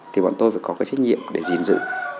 thì bọn tôi phải có cái trách nhiệm để gìn giữ